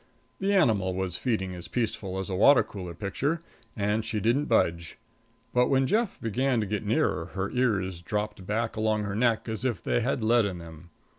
The animal was feeding as peaceful as a water color picture, and she didn't budge; but when Jeff began to get nearer, her ears dropped back along her neck as if they had lead in them.